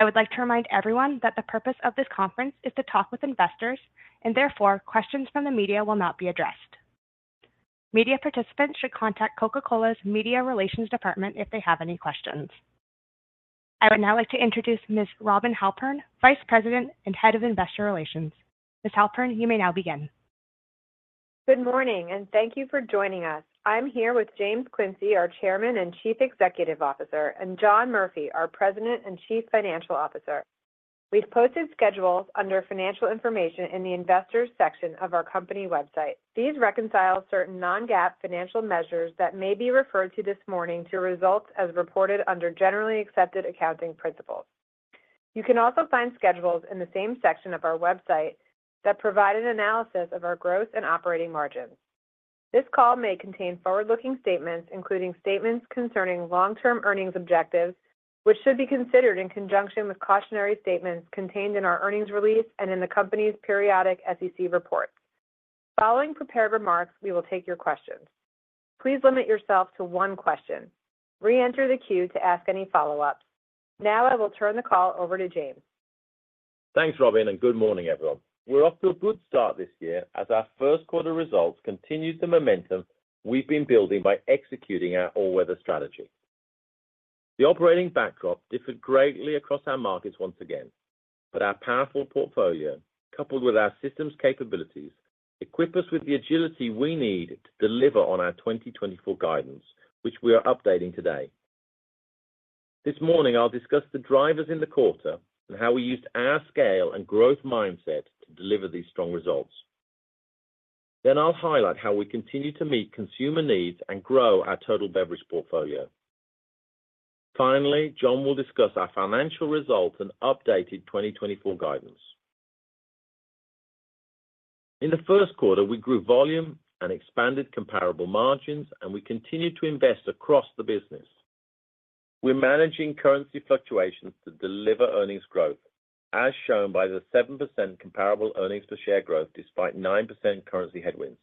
I would like to remind everyone that the purpose of this conference is to talk with investors, and therefore questions from the media will not be addressed. Media participants should contact Coca-Cola's Media Relations Department if they have any questions. I would now like to introduce Ms. Robin Halpern, Vice President and Head of Investor Relations. Ms. Halpern, you may now begin. Good morning, and thank you for joining us. I'm here with James Quincey, our Chairman and Chief Executive Officer, and John Murphy, our President and Chief Financial Officer. We've posted schedules under Financial Information in the Investors section of our company website. These reconcile certain non-GAAP financial measures that may be referred to this morning to results as reported under Generally Accepted Accounting Principles. You can also find schedules in the same section of our website that provide an analysis of our growth and operating margins. This call may contain forward-looking statements, including statements concerning long-term earnings objectives, which should be considered in conjunction with cautionary statements contained in our earnings release and in the company's periodic SEC reports. Following prepared remarks, we will take your questions. Please limit yourself to one question. Re-enter the queue to ask any follow-ups. Now I will turn the call over to James. Thanks, Robin, and good morning, everyone. We're off to a good start this year as our Q1 results continued the momentum we've been building by executing our all-weather strategy. The operating backdrop differed greatly across our markets once again, but our powerful portfolio, coupled with our systems capabilities, equip us with the agility we need to deliver on our 2024 guidance, which we are updating today. This morning I'll discuss the drivers in the quarter and how we used our scale and growth mindset to deliver these strong results. Then I'll highlight how we continue to meet consumer needs and grow our total beverage portfolio. Finally, John will discuss our financial results and updated 2024 guidance. In Q1 we grew volume and expanded comparable margins, and we continued to invest across the business. We're managing currency fluctuations to deliver earnings growth, as shown by the 7% comparable earnings per share growth despite 9% currency headwinds,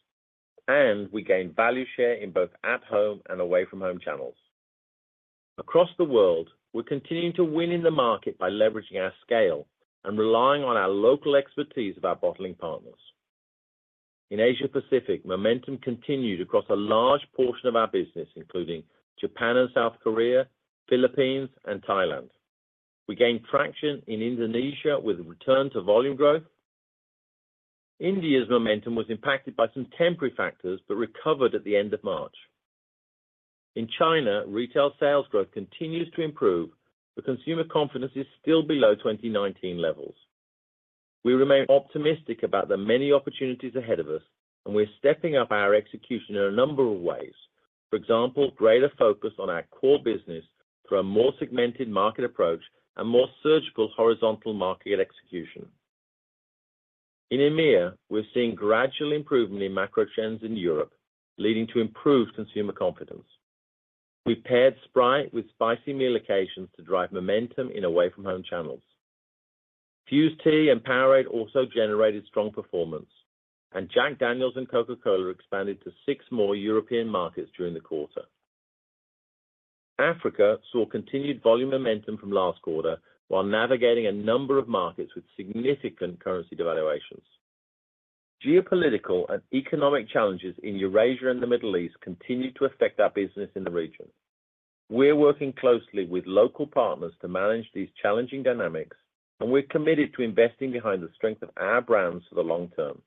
and we gained value share in both at-home and away-from-home channels. Across the world, we're continuing to win in the market by leveraging our scale and relying on our local expertise of our bottling partners. In Asia-Pacific, momentum continued across a large portion of our business, including Japan and South Korea, Philippines, and Thailand. We gained traction in Indonesia with a return to volume growth. India's momentum was impacted by some temporary factors but recovered at the end of March. In China, retail sales growth continues to improve, but consumer confidence is still below 2019 levels. We remain optimistic about the many opportunities ahead of us, and we're stepping up our execution in a number of ways, for example, greater focus on our core business through a more segmented market approach and more surgical horizontal market execution. In EMEA, we're seeing gradual improvement in macro trends in Europe, leading to improved consumer confidence. We paired Sprite with spicy meal occasions to drive momentum in away-from-home channels. Fuze Tea and Powerade also generated strong performance, and Jack Daniel's and Coca-Cola expanded to six more European markets during the quarter. Africa saw continued volume momentum from last quarter while navigating a number of markets with significant currency devaluations. Geopolitical and economic challenges in Eurasia and the Middle East continue to affect our business in the region. We're working closely with local partners to manage these challenging dynamics, and we're committed to investing behind the strength of our brands for the long term.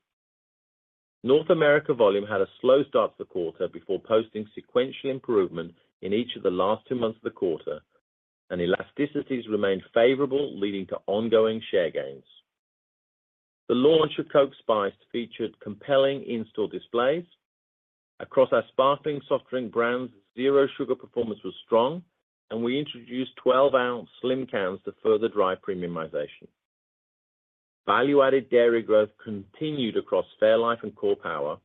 North America volume had a slow start to the quarter before posting sequential improvement in each of the last two months of the quarter, and elasticities remained favorable, leading to ongoing share gains. The launch of Coke Spiced featured compelling in-store displays. Across our sparkling soft drink brands, zero sugar performance was strong, and we introduced 12-ounce slim cans to further drive premiumization. Value-added dairy growth continued across Fairlife and Core Power.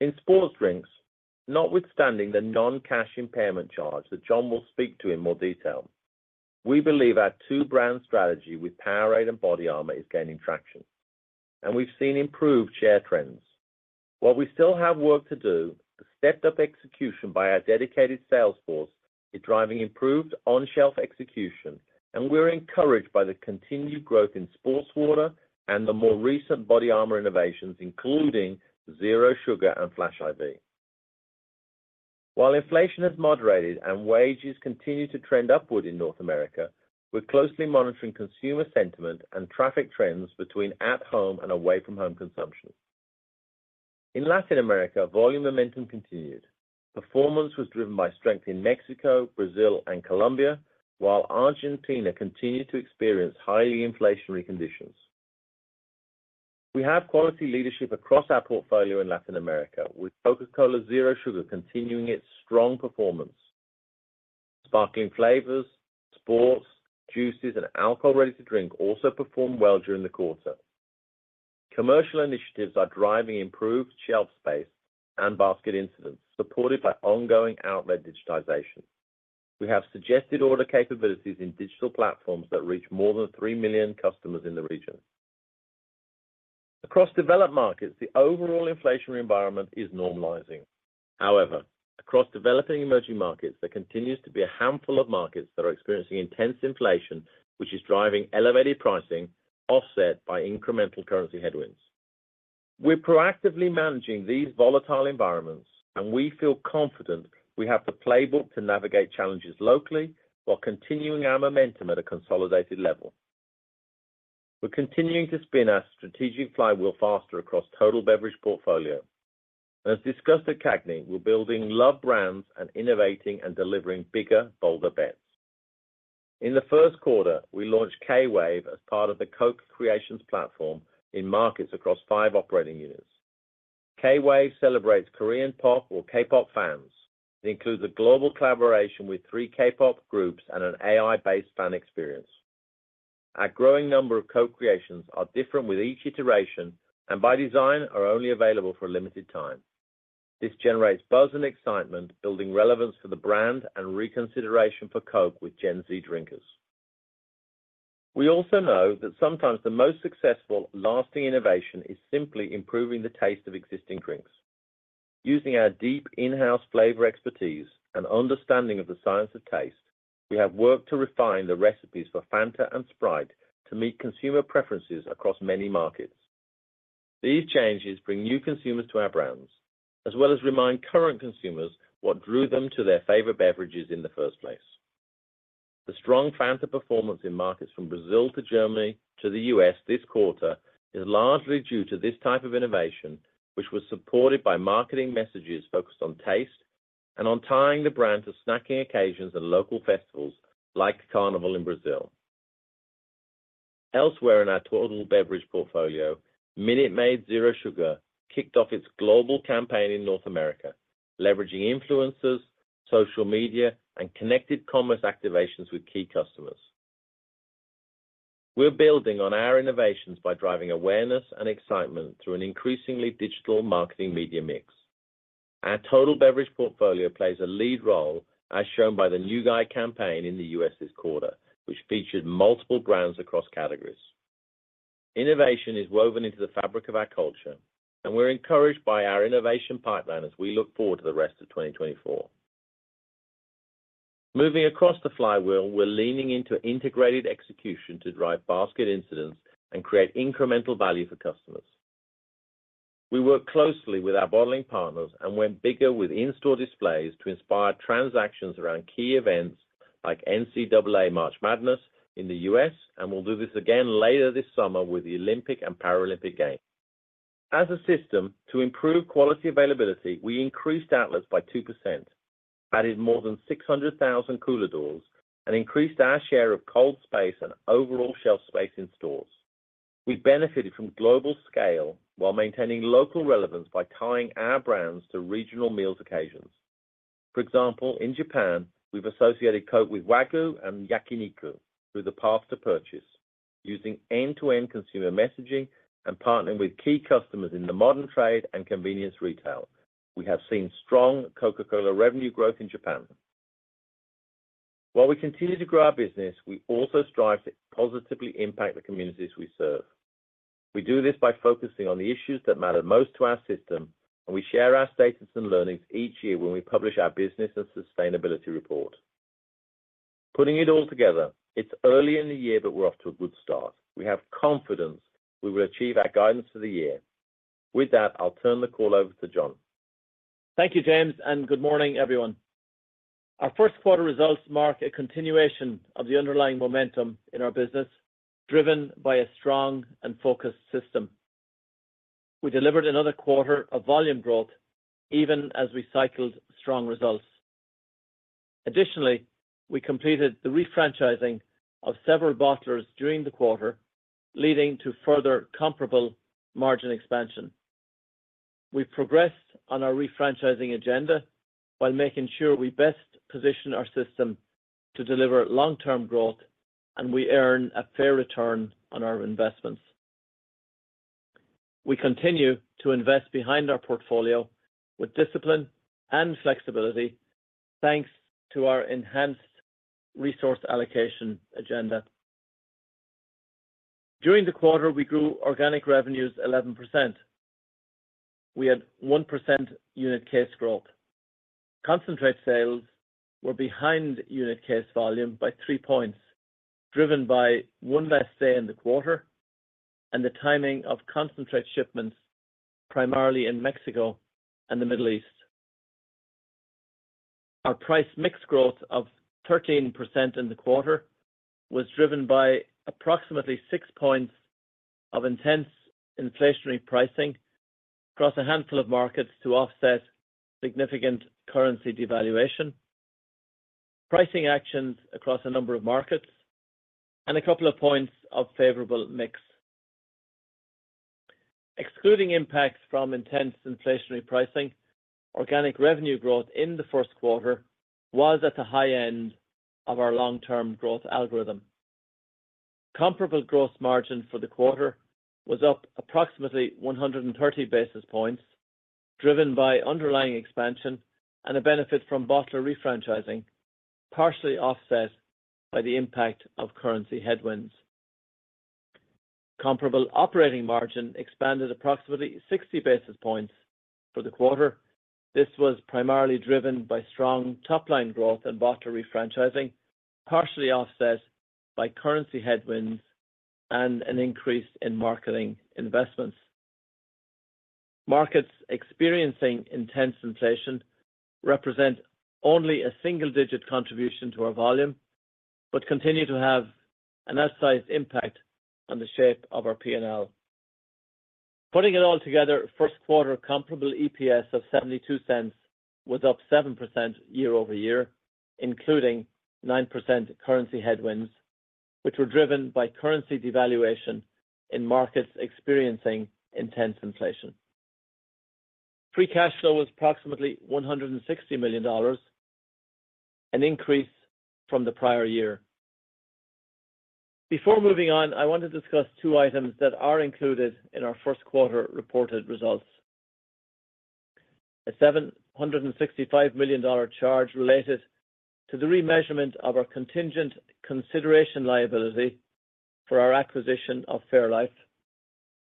In sports drinks, notwithstanding the non-cash impairment charge that John will speak to in more detail, we believe our two-brand strategy with Powerade and BODYARMOR is gaining traction, and we've seen improved share trends. While we still have work to do, the stepped-up execution by our dedicated sales force is driving improved on-shelf execution, and we're encouraged by the continued growth in sports water and the more recent BODYARMOR innovations, including zero sugar and Flash I.V. While inflation has moderated and wages continue to trend upward in North America, we're closely monitoring consumer sentiment and traffic trends between at-home and away-from-home consumption. In Latin America, volume momentum continued. Performance was driven by strength in Mexico, Brazil, and Colombia, while Argentina continued to experience highly inflationary conditions. We have quality leadership across our portfolio in Latin America, with Coca-Cola Zero Sugar continuing its strong performance. Sparkling flavors, sports, juices, and alcohol-ready-to-drink also performed well during the quarter. Commercial initiatives are driving improved shelf space and basket incidence, supported by ongoing outlet digitization. We have suggested order capabilities in digital platforms that reach more than 3 million customers in the region. Across developed markets, the overall inflationary environment is normalizing. However, across developing and emerging markets, there continues to be a handful of markets that are experiencing intense inflation, which is driving elevated pricing offset by incremental currency headwinds. We're proactively managing these volatile environments, and we feel confident we have the playbook to navigate challenges locally while continuing our momentum at a consolidated level. We're continuing to spin our strategic flywheel faster across total beverage portfolio. As discussed at CAGNY, we're building loved brands and innovating and delivering bigger, bolder bets. In the Q1, we launched K-Wave as part of the Coke Creations platform in markets across five operating units. K-Wave celebrates Korean pop or K-pop fans. It includes a global collaboration with three K-pop groups and an AI-based fan experience. Our growing number of Coke Creations are different with each iteration and, by design, are only available for a limited time. This generates buzz and excitement, building relevance for the brand and reconsideration for Coke with Gen Z drinkers. We also know that sometimes the most successful, lasting innovation is simply improving the taste of existing drinks. Using our deep in-house flavor expertise and understanding of the science of taste, we have worked to refine the recipes for Fanta and Sprite to meet consumer preferences across many markets. These changes bring new consumers to our brands, as well as remind current consumers what drew them to their favorite beverages in the first place. The strong Fanta performance in markets from Brazil to Germany to the US this quarter is largely due to this type of innovation, which was supported by marketing messages focused on taste and on tying the brand to snacking occasions and local festivals like Carnival in Brazil. Elsewhere in our total beverage portfolio, Minute Maid Zero Sugar kicked off its global campaign in North America, leveraging influencers, social media, and connected commerce activations with key customers. We're building on our innovations by driving awareness and excitement through an increasingly digital marketing media mix. Our total beverage portfolio plays a lead role, as shown by the New Guy campaign in the US this quarter, which featured multiple brands across categories. Innovation is woven into the fabric of our culture, and we're encouraged by our innovation pipeline as we look forward to the rest of 2024. Moving across the flywheel, we're leaning into integrated execution to drive basket incidence and create incremental value for customers. We work closely with our bottling partners and went bigger with in-store displays to inspire transactions around key events like NCAA March Madness in the US, and we'll do this again later this summer with the Olympic and Paralympic Games. As a system, to improve quality availability, we increased outlets by 2%, added more than 600,000 cooler doors, and increased our share of cold space and overall shelf space in stores. We benefited from global scale while maintaining local relevance by tying our brands to regional meals occasions. For example, in Japan, we've associated Coke with Wagyu and Yakiniku through the path to purchase. Using end-to-end consumer messaging and partnering with key customers in the modern trade and convenience retail, we have seen strong Coca-Cola revenue growth in Japan. While we continue to grow our business, we also strive to positively impact the communities we serve. We do this by focusing on the issues that matter most to our system, and we share our statements and learnings each year when we publish our business and sustainability report. Putting it all together, it's early in the year, but we're off to a good start. We have confidence we will achieve our guidance for the year. With that, I'll turn the call over to John. Thank you, James, and good morning, everyone. Our Q1 results mark a continuation of the underlying momentum in our business, driven by a strong and focused system. We delivered another quarter of volume growth even as we cycled strong results. Additionally, we completed the refranchising of several bottlers during the quarter, leading to further comparable margin expansion. We've progressed on our refranchising agenda while making sure we best position our system to deliver long-term growth and we earn a fair return on our investments. We continue to invest behind our portfolio with discipline and flexibility, thanks to our enhanced resource allocation agenda. During the quarter, we grew organic revenues 11%. We had 1% unit case growth. Concentrate sales were behind unit case volume by 3 points, driven by one less day in the quarter and the timing of concentrate shipments primarily in Mexico and the Middle East. Our price mix growth of 13% in the quarter was driven by approximately 6 points of intense inflationary pricing across a handful of markets to offset significant currency devaluation, pricing actions across a number of markets, and a couple of points of favorable mix. Excluding impacts from intense inflationary pricing, organic revenue growth in the Q1 was at the high end of our long-term growth algorithm. Comparable gross margin for the quarter was up approximately 130 basis points, driven by underlying expansion and a benefit from bottler refranchising, partially offset by the impact of currency headwinds. Comparable operating margin expanded approximately 60 basis points for the quarter. This was primarily driven by strong top-line growth and bottler refranchising, partially offset by currency headwinds and an increase in marketing investments. Markets experiencing intense inflation represent only a single-digit contribution to our volume but continue to have an outsized impact on the shape of our P&L. Putting it all together, Q1 comparable EPS of 0.72 was up 7% year-over-year, including 9% currency headwinds, which were driven by currency devaluation in markets experiencing intense inflation. Free cash flow was approximately $160 million, an increase from the prior year. Before moving on, I want to discuss two items that are included in our Q1 reported results. A $765 million charge related to the remeasurement of our contingent consideration liability for our acquisition of Fairlife.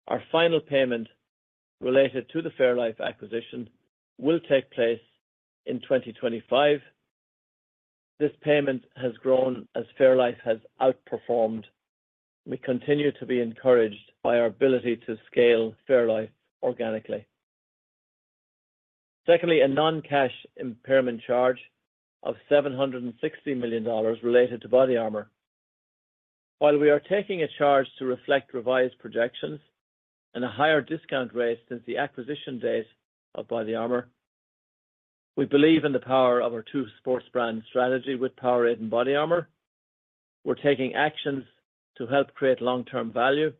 Our final payment related to the Fairlife acquisition will take place in 2025. This payment has grown as Fairlife has outperformed. We continue to be encouraged by our ability to scale Fairlife organically. Secondly, a non-cash impairment charge of $760 million related to BODYARMOR. While we are taking a charge to reflect revised projections and a higher discount rate since the acquisition date of BODYARMOR, we believe in the power of our two sports brand strategy with Powerade and BODYARMOR. We're taking actions to help create long-term value,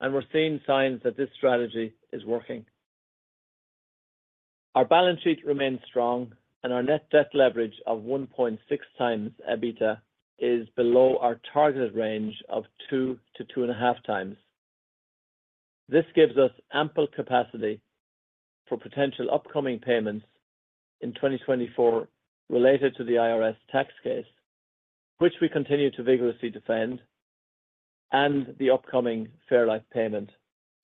and we're seeing signs that this strategy is working. Our balance sheet remains strong, and our net debt leverage of 1.6x EBITDA is below our targeted range of 2 to 2.5x. This gives us ample capacity for potential upcoming payments in 2024 related to the IRS tax case, which we continue to vigorously defend, and the upcoming Fairlife payment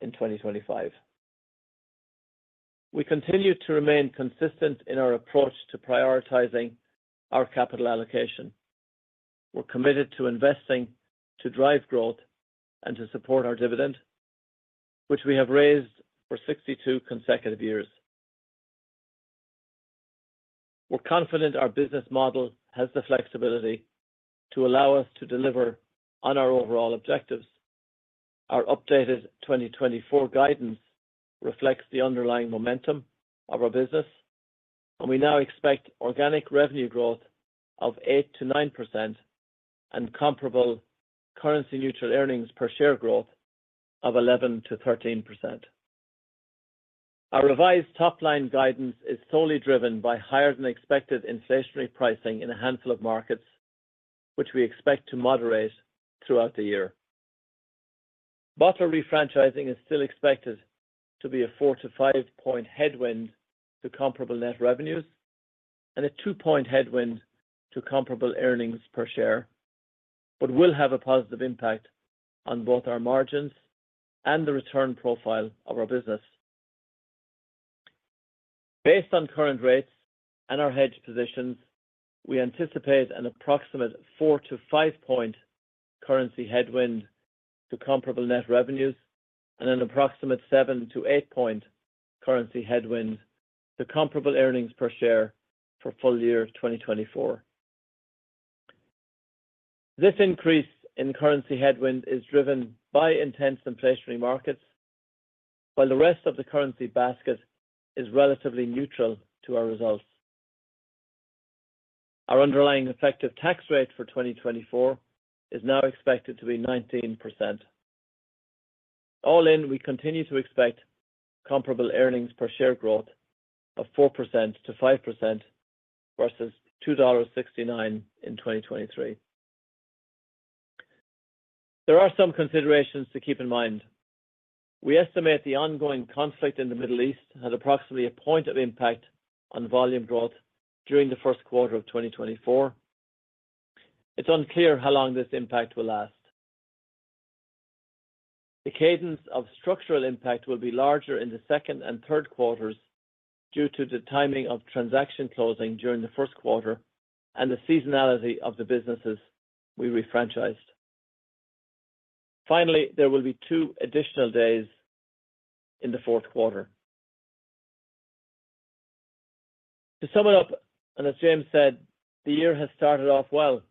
in 2025. We continue to remain consistent in our approach to prioritizing our capital allocation. We're committed to investing to drive growth and to support our dividend, which we have raised for 62 consecutive years. We're confident our business model has the flexibility to allow us to deliver on our overall objectives. Our updated 2024 guidance reflects the underlying momentum of our business, and we now expect organic revenue growth of 8% to 9% and comparable currency-neutral earnings per share growth of 11% to 13%. Our revised top-line guidance is solely driven by higher-than-expected inflationary pricing in a handful of markets, which we expect to moderate throughout the year. Bottler refranchising is still expected to be a 4-5-point headwind to comparable net revenues and a 2-point headwind to comparable earnings per share, but will have a positive impact on both our margins and the return profile of our business. Based on current rates and our hedge positions, we anticipate an approximate 4-5-point currency headwind to comparable net revenues and an approximate 7-8-point currency headwind to comparable earnings per share for full year 2024. This increase in currency headwind is driven by intense inflationary markets, while the rest of the currency basket is relatively neutral to our results. Our underlying effective tax rate for 2024 is now expected to be 19%. All in, we continue to expect comparable earnings per share growth of 4% to 5% versus $2.69 in 2023. There are some considerations to keep in mind. We estimate the ongoing conflict in the Middle East had approximately a point of impact on volume growth during the Q1 of 2024. It's unclear how long this impact will last. The cadence of structural impact will be larger in the second and Q3s due to the timing of transaction closing during the Q1 and the seasonality of the businesses we refranchised. Finally, there will be two additional days in Q4. To sum it up, and as James said, the year has started off well.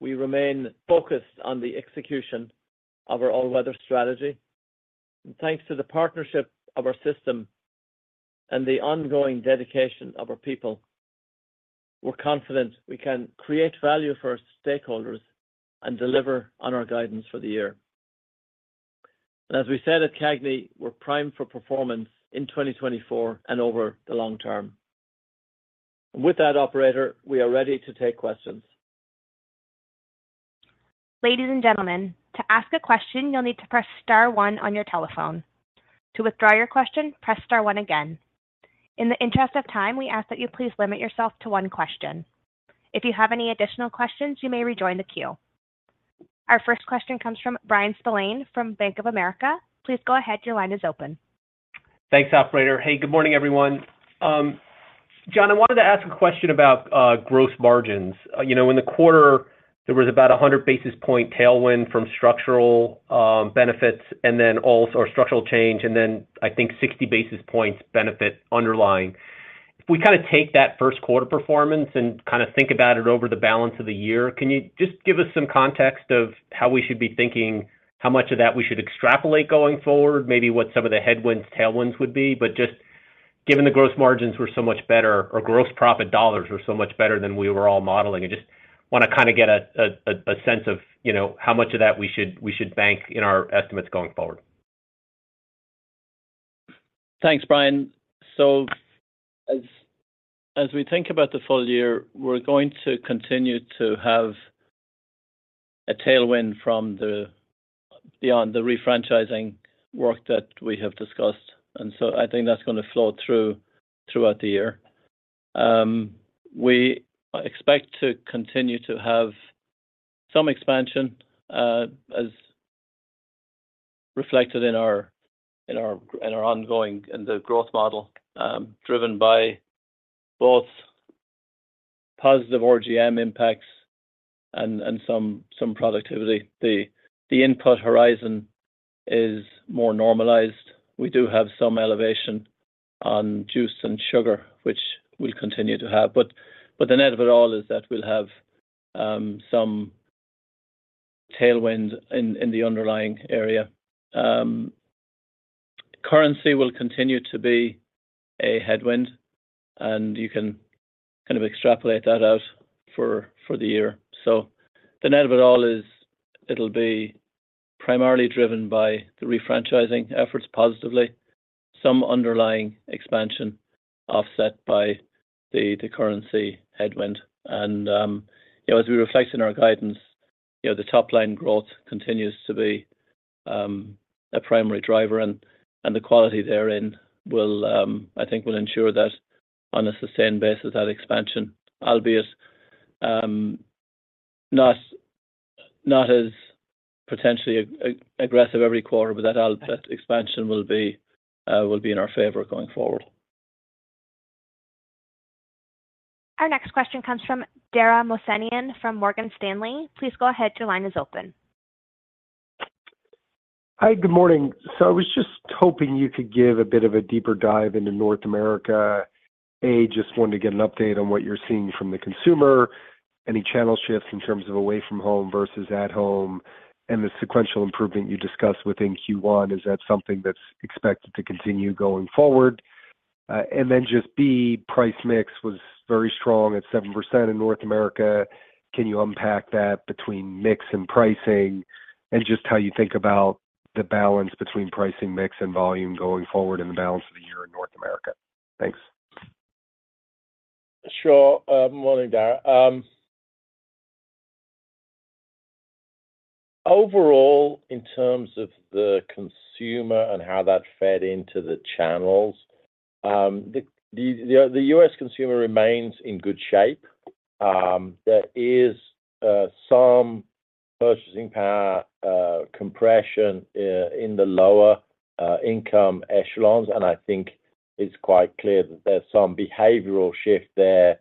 We remain focused on the execution of our all-weather strategy. Thanks to the partnership of our system and the ongoing dedication of our people, we're confident we can create value for our stakeholders and deliver on our guidance for the year. And as we said at CAGNY, we're primed for performance in 2024 and over the long term. With that, operator, we are ready to take questions. Ladies and gentlemen, to ask a question, you'll need to press star one on your telephone. To withdraw your question, press star one again. In the interest of time, we ask that you please limit yourself to one question. If you have any additional questions, you may rejoin the queue. Our first question comes from Bryan Spillane from Bank of America. Please go ahead. Your line is open. Thanks, operator. Hey, good morning, everyone. John, I wanted to ask a question about gross margins. In the quarter, there was about 100 basis points tailwind from structural benefits and then other structural change, and then I think 60 basis points underlying benefit. If we kind of take that Q1 performance and kind of think about it over the balance of the year, can you just give us some context of how we should be thinking, how much of that we should extrapolate going forward, maybe what some of the headwinds, tailwinds would be? But just given the gross margins were so much better, or gross profit dollars were so much better than we were all modeling, I just want to kind of get a sense of how much of that we should bank in our estimates going forward. Thanks, Brian. So as we think about the full year, we're going to continue to have a tailwind beyond the refranchising work that we have discussed. And so I think that's going to flow through throughout the year. We expect to continue to have some expansion, as reflected in our ongoing and the growth model, driven by both positive RGM impacts and some productivity. The input horizon is more normalized. We do have some elevation on juice and sugar, which we'll continue to have. But the net of it all is that we'll have some tailwind in the underlying area. Currency will continue to be a headwind, and you can kind of extrapolate that out for the year. So the net of it all is it'll be primarily driven by the refranchising efforts positively, some underlying expansion offset by the currency headwind. As we reflect in our guidance, the top-line growth continues to be a primary driver, and the quality therein, I think, will ensure that on a sustained basis, that expansion, albeit not as potentially aggressive every quarter, but that expansion will be in our favor going forward. Our next question comes from Dara Mohsenian from Morgan Stanley. Please go ahead. Your line is open. Hi, good morning. So I was just hoping you could give a bit of a deeper dive into North America. A, just wanted to get an update on what you're seeing from the consumer, any channel shifts in terms of away from home versus at home, and the sequential improvement you discussed within Q1. Is that something that's expected to continue going forward? And then just B, price mix was very strong at 7% in North America. Can you unpack that between mix and pricing and just how you think about the balance between pricing mix and volume going forward and the balance of the year in North America? Thanks. Sure. Good morning, Dara. Overall, in terms of the consumer and how that fed into the channels, the US consumer remains in good shape. There is some purchasing power compression in the lower income echelons, and I think it's quite clear that there's some behavioral shift there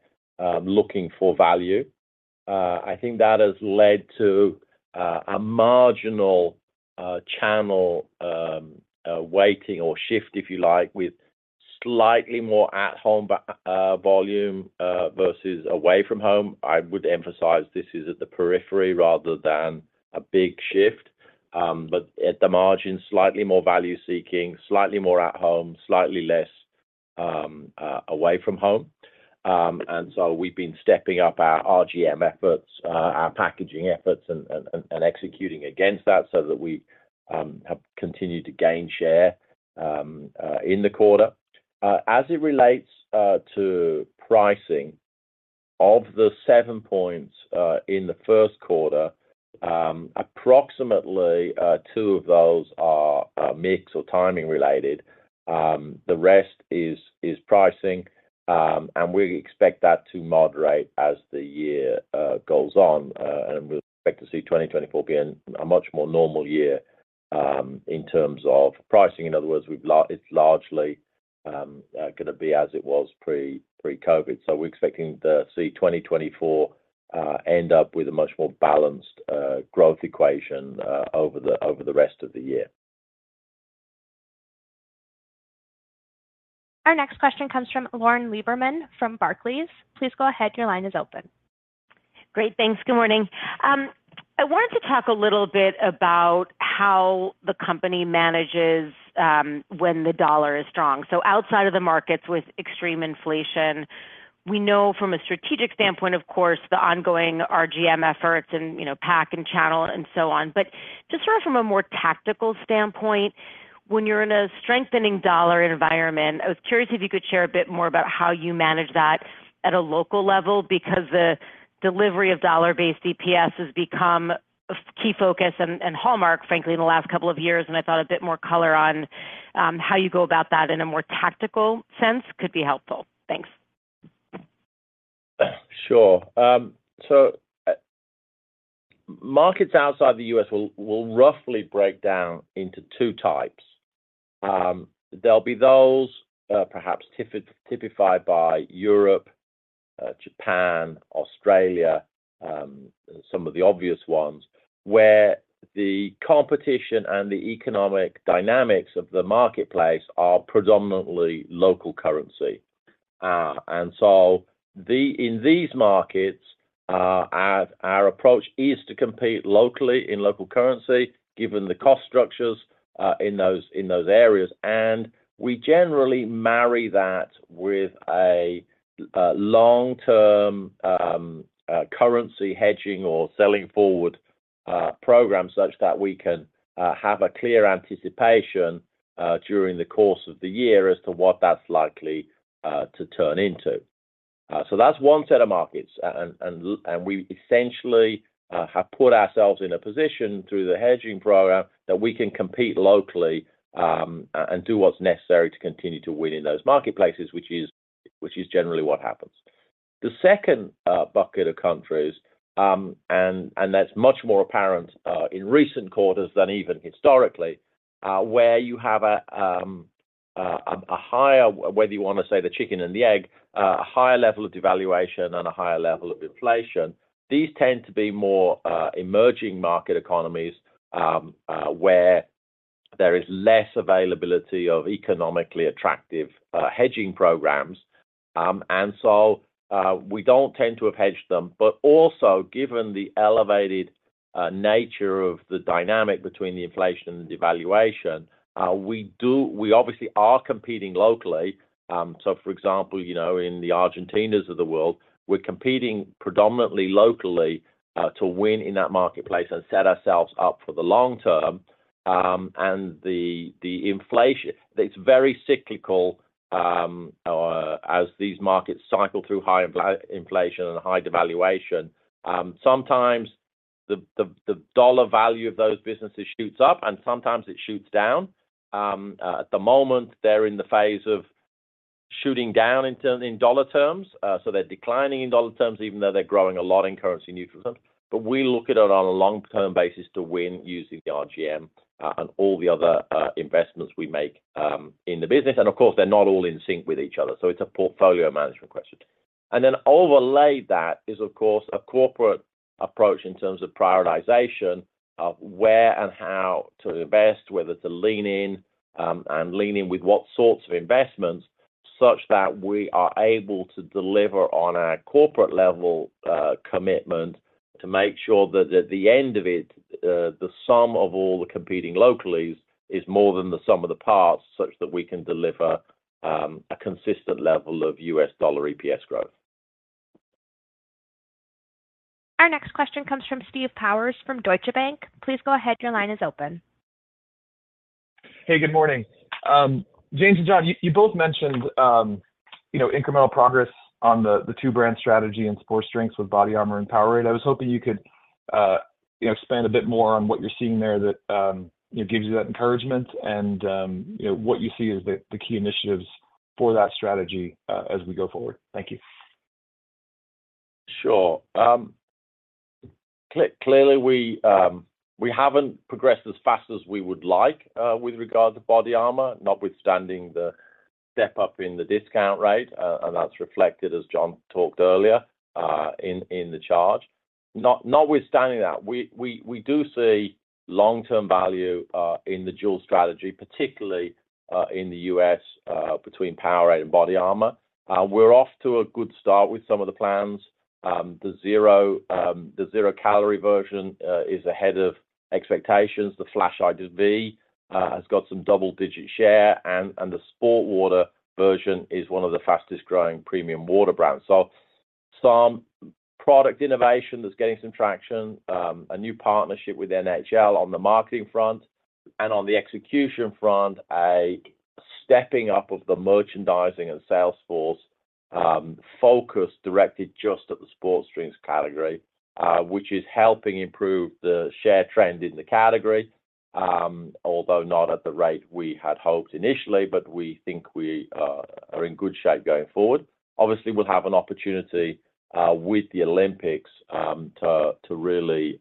looking for value. I think that has led to a marginal channel weighting or shift, if you like, with slightly more at-home volume versus away from home. I would emphasize this is at the periphery rather than a big shift, but at the margin, slightly more value-seeking, slightly more at home, slightly less away from home. And so we've been stepping up our RGM efforts, our packaging efforts, and executing against that so that we have continued to gain share in the quarter. As it relates to pricing of the 7 points in the Q1, approximately 2 of those are mix or timing-related. The rest is pricing, and we expect that to moderate as the year goes on. And we expect to see 2024 be a much more normal year in terms of pricing. In other words, it's largely going to be as it was pre-COVID. So we're expecting to see 2024 end up with a much more balanced growth equation over the rest of the year. Our next question comes from Lauren Lieberman from Barclays. Please go ahead. Your line is open. Great. Thanks. Good morning. I wanted to talk a little bit about how the company manages when the US dollar is strong. So outside of the markets with extreme inflation, we know from a strategic standpoint, of course, the ongoing RGM efforts and pack and channel and so on. But just sort of from a more tactical standpoint, when you're in a strengthening US dollar environment, I was curious if you could share a bit more about how you manage that at a local level because the delivery of US dollar-based EPS has become a key focus and hallmark, frankly, in the last couple of years. And I thought a bit more color on how you go about that in a more tactical sense could be helpful. Thanks. Sure. So markets outside the US will roughly break down into two types. There'll be those perhaps typified by Europe, Japan, Australia, some of the obvious ones, where the competition and the economic dynamics of the marketplace are predominantly local currency. And so in these markets, our approach is to compete locally in local currency given the cost structures in those areas. And we generally marry that with a long-term currency hedging or selling forward program such that we can have a clear anticipation during the course of the year as to what that's likely to turn into. So that's one set of markets. And we essentially have put ourselves in a position through the hedging program that we can compete locally and do what's necessary to continue to win in those marketplaces, which is generally what happens. The second bucket of countries, and that's much more apparent in recent quarters than even historically, where you have a higher whether you want to say the chicken and the egg, a higher level of devaluation and a higher level of inflation. These tend to be more emerging market economies where there is less availability of economically attractive hedging programs. And so we don't tend to have hedged them. But also, given the elevated nature of the dynamic between the inflation and the devaluation, we obviously are competing locally. So, for example, in the Argentinas of the world, we're competing predominantly locally to win in that marketplace and set ourselves up for the long term. And it's very cyclical as these markets cycle through high inflation and high devaluation. Sometimes the dollar value of those businesses shoots up, and sometimes it shoots down. At the moment, they're in the phase of shooting down in dollar terms. So they're declining in dollar terms even though they're growing a lot in currency neutral terms. But we look at it on a long-term basis to win using the RGM and all the other investments we make in the business. And of course, they're not all in sync with each other. So it's a portfolio management question. And then overlay that is, of course, a corporate approach in terms of prioritization of where and how to invest, whether to lean in and lean in with what sorts of investments such that we are able to deliver on our corporate level commitment to make sure that at the end of it, the sum of all the competing locally is more than the sum of the parts such that we can deliver a consistent level of US dollar EPS growth. Our next question comes from Steve Powers from Deutsche Bank. Please go ahead. Your line is open. Hey, good morning. James and John, you both mentioned incremental progress on the two-brand strategy and sports strengths with BODYARMOR and Powerade. I was hoping you could expand a bit more on what you're seeing there that gives you that encouragement and what you see as the key initiatives for that strategy as we go forward. Thank you. Sure. Clearly, we haven't progressed as fast as we would like with regard to BODYARMOR, notwithstanding the step up in the discount rate. And that's reflected, as John talked earlier, in the charge. Notwithstanding that, we do see long-term value in the dual strategy, particularly in the US between Powerade and BODYARMOR. We're off to a good start with some of the plans. The zero-calorie version is ahead of expectations. The Flash I.V. has got some double-digit share, and the SportWater version is one of the fastest-growing premium water brands. Some product innovation that's getting some traction, a new partnership with NHL on the marketing front, and on the execution front, a stepping up of the merchandising and sales force focus directed just at the sports drinks category, which is helping improve the share trend in the category, although not at the rate we had hoped initially. But we think we are in good shape going forward. Obviously, we'll have an opportunity with the Olympics to really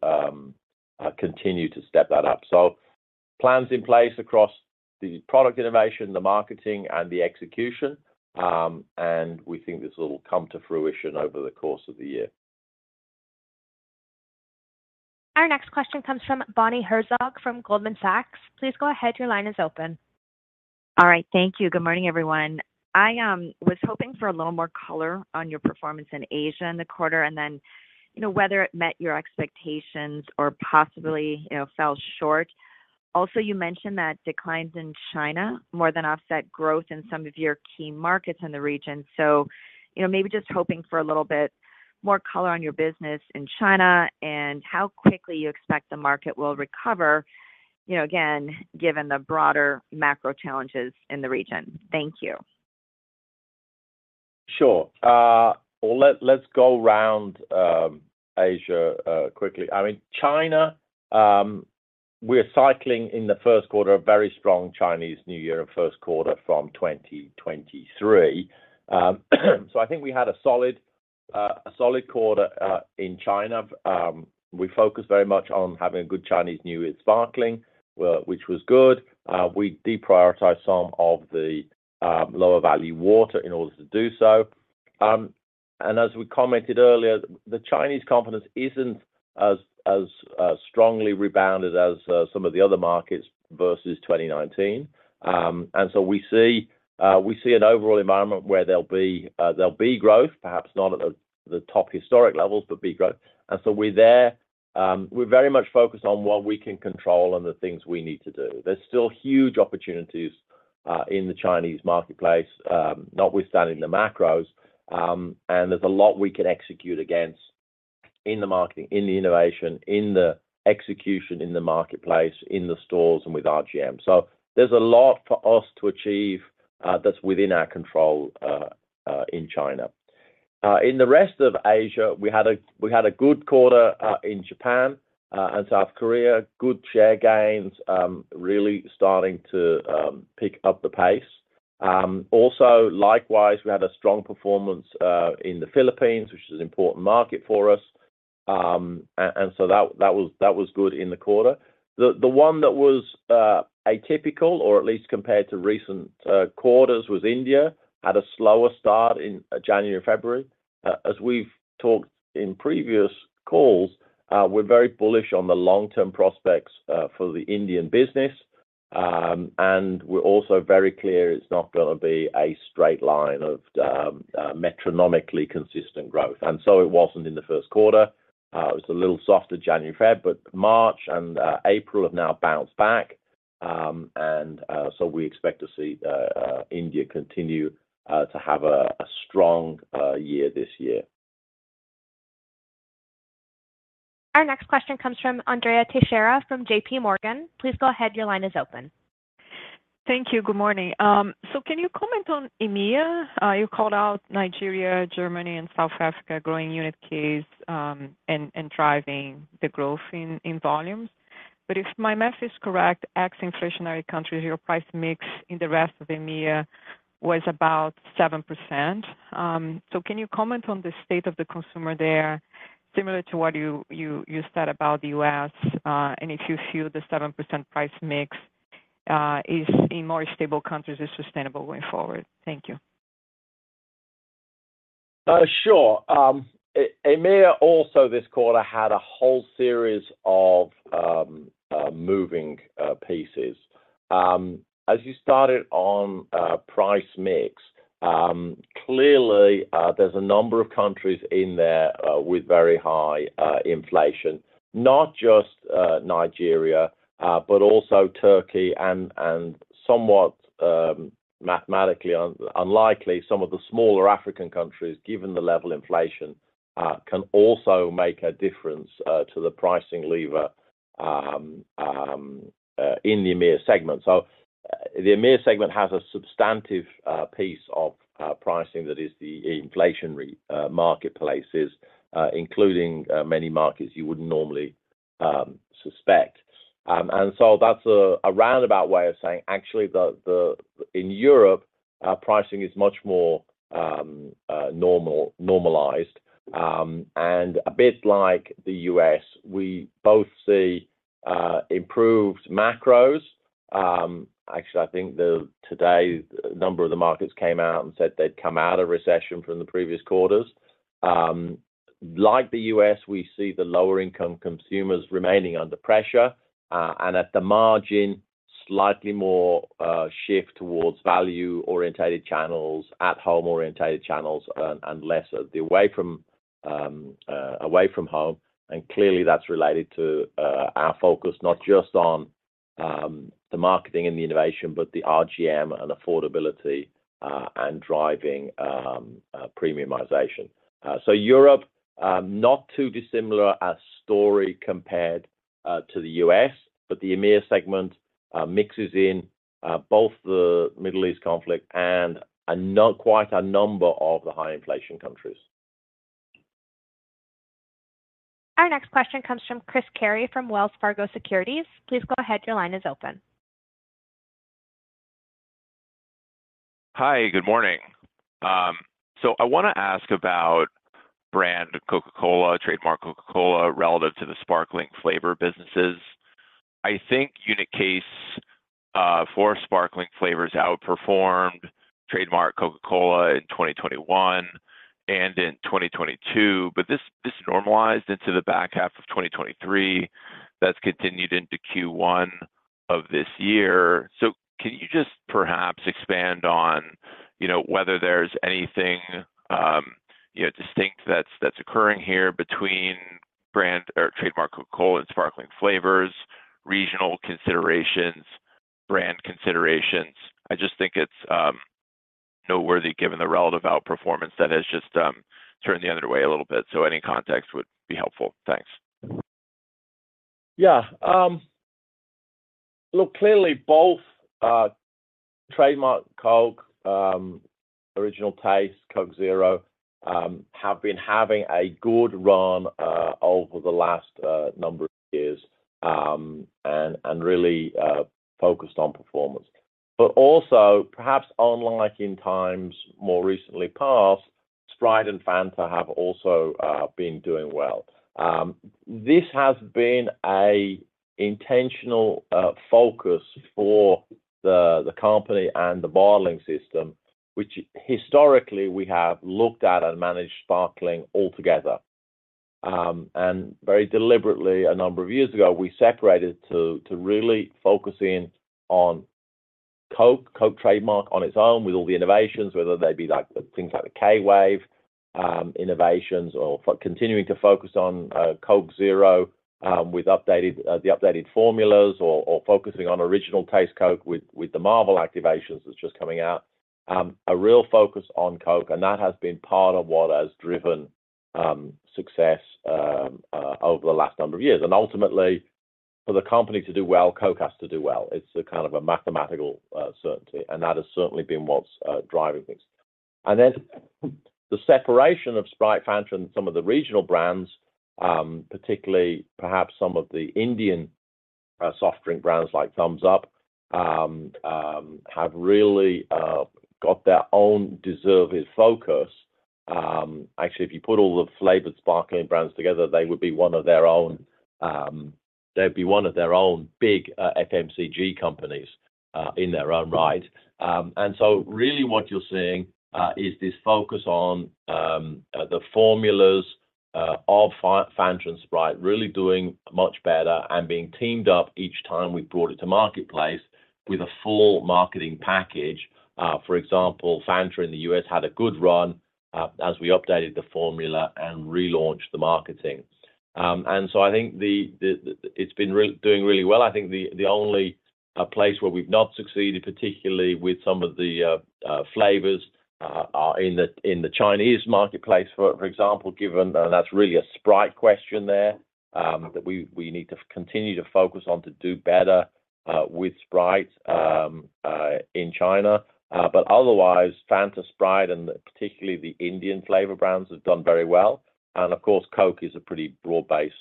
continue to step that up. So plans in place across the product innovation, the marketing, and the execution. And we think this will come to fruition over the course of the year. Our next question comes from Bonnie Herzog from Goldman Sachs. Please go ahead. Your line is open. All right. Thank you. Good morning, everyone. I was hoping for a little more color on your performance in Asia in the quarter and then whether it met your expectations or possibly fell short. Also, you mentioned that declines in China more than offset growth in some of your key markets in the region. So maybe just hoping for a little bit more color on your business in China and how quickly you expect the market will recover, again, given the broader macro challenges in the region. Thank you. Sure. Well, let's go round Asia quickly. I mean, China, we're cycling in the Q1 a very strong Chinese New Year and Q1 from 2023. So I think we had a solid quarter in China. We focused very much on having a good Chinese New Year sparkling, which was good. We deprioritized some of the lower-value water in order to do so. And as we commented earlier, the Chinese confidence isn't as strongly rebounded as some of the other markets versus 2019. And so we see an overall environment where there'll be growth, perhaps not at the top historic levels, but be growth. And so we're very much focused on what we can control and the things we need to do. There's still huge opportunities in the Chinese marketplace, notwithstanding the macros. There's a lot we can execute against in the marketing, in the innovation, in the execution in the marketplace, in the stores, and with RGM. So there's a lot for us to achieve that's within our control in China. In the rest of Asia, we had a good quarter in Japan and South Korea, good share gains really starting to pick up the pace. Also, likewise, we had a strong performance in the Philippines, which is an important market for us. And so that was good in the quarter. The one that was atypical, or at least compared to recent quarters, was India, had a slower start in January and February. As we've talked in previous calls, we're very bullish on the long-term prospects for the Indian business. And we're also very clear it's not going to be a straight line of metronomically consistent growth. And so it wasn't in the Q1. It was a little softer January and February. But March and April have now bounced back. And so we expect to see India continue to have a strong year this year. Our next question comes from Andrea Teixeira from JP Morgan. Please go ahead. Your line is open. Thank you. Good morning. So can you comment on EMEA? You called out Nigeria, Germany, and South Africa growing unit cases and driving the growth in volumes. But if my math is correct, ex-inflationary countries, your price mix in the rest of EMEA was about 7%. So can you comment on the state of the consumer there similar to what you said about the US and if you feel the 7% price mix in more stable countries is sustainable going forward? Thank you. Sure. EMEA also this quarter had a whole series of moving pieces. As you started on price mix, clearly, there's a number of countries in there with very high inflation, not just Nigeria, but also Turkey. And somewhat mathematically unlikely, some of the smaller African countries, given the level of inflation, can also make a difference to the pricing lever in the EMEA segment. So the EMEA segment has a substantive piece of pricing that is the inflationary marketplaces, including many markets you wouldn't normally suspect. And so that's a roundabout way of saying, actually, in Europe, pricing is much more normalized. And a bit like the US, we both see improved macros. Actually, I think today a number of the markets came out and said they'd come out of recession from the previous quarters. Like the US, we see the lower-income consumers remaining under pressure and at the margin, slightly more shift towards value-oriented channels, at-home-oriented channels, and less away from home. And clearly, that's related to our focus, not just on the marketing and the innovation, but the RGM and affordability and driving premiumization. So Europe, not too dissimilar a story compared to the US, but the EMEA segment mixes in both the Middle East conflict and quite a number of the high-inflation countries. Our next question comes from Chris Carey from Wells Fargo Securities. Please go ahead. Your line is open. Hi. Good morning. So I want to ask about brand Coca-Cola, trademark Coca-Cola, relative to the sparkling flavor businesses. I think unit case for sparkling flavors outperformed trademark Coca-Cola in 2021 and in 2022. But this normalized into the back half of 2023. That's continued into Q1 of this year. So can you just perhaps expand on whether there's anything distinct that's occurring here between brand or trademark Coca-Cola and sparkling flavors, regional considerations, brand considerations? I just think it's noteworthy given the relative outperformance that has just turned the other way a little bit. So any context would be helpful. Thanks. Yeah. Look, clearly, both trademark Coke, Original Taste, Coke Zero have been having a good run over the last number of years and really focused on performance. But also, perhaps unlike in times more recently past, Sprite and Fanta have also been doing well. This has been an intentional focus for the company and the bottling system, which historically, we have looked at and managed sparkling altogether. And very deliberately, a number of years ago, we separated to really focus in on Coke, Coke trademark on its own with all the innovations, whether they be things like the K-Wave innovations or continuing to focus on Coke Zero with the updated formulas or focusing on Original Taste Coke with the Marvel activations that's just coming out, a real focus on Coke. And that has been part of what has driven success over the last number of years. Ultimately, for the company to do well, Coke has to do well. It's kind of a mathematical certainty. That has certainly been what's driving things. Then the separation of Sprite, Fanta, and some of the regional brands, particularly perhaps some of the Indian soft drink brands like Thums Up, have really got their own deserved focus. Actually, if you put all the flavored sparkling brands together, they would be one of their own big FMCG companies in their own right. So really what you're seeing is this focus on the formulas of Fanta and Sprite really doing much better and being teamed up each time we've brought it to marketplace with a full marketing package. For example, Fanta in the US had a good run as we updated the formula and relaunched the marketing. And so I think it's been doing really well. I think the only place where we've not succeeded, particularly with some of the flavors, are in the Chinese marketplace, for example, given and that's really a Sprite question there that we need to continue to focus on to do better with Sprite in China. But otherwise, Fanta, Sprite, and particularly the Indian flavor brands have done very well. And of course, Coke is a pretty broad-based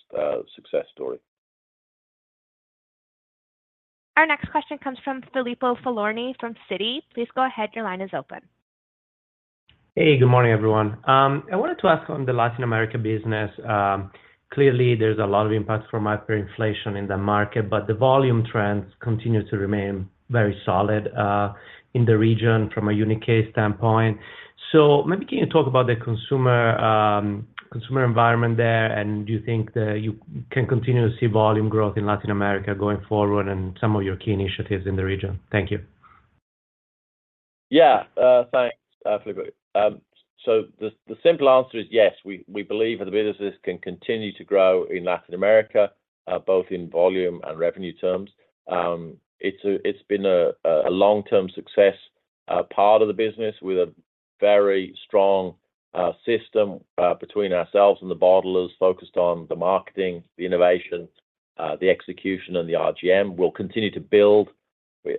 success story. Our next question comes from Filippo Falorni from Citi. Please go ahead. Your line is open. Hey. Good morning, everyone. I wanted to ask on the Latin America business. Clearly, there's a lot of impact from hyperinflation in the market, but the volume trends continue to remain very solid in the region from a unit case standpoint. So maybe can you talk about the consumer environment there? And do you think you can continue to see volume growth in Latin America going forward and some of your key initiatives in the region? Thank you. Yeah. Thanks, Filippo. So the simple answer is yes. We believe that the businesses can continue to grow in Latin America, both in volume and revenue terms. It's been a long-term success part of the business with a very strong system between ourselves and the bottlers focused on the marketing, the innovation, the execution, and the RGM. We'll continue to build